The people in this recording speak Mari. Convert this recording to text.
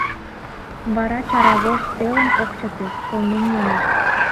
Вара чара вож телым ок чыте, кылмен йомеш.